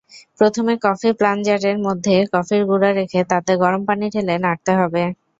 প্রথমে কফি প্লানজারের মধ্যে কফির গুঁড়া রেখে তাতে গরম পানি ঢেলে নাড়তে হবে।